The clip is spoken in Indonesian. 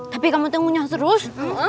tapi kamu tanya terus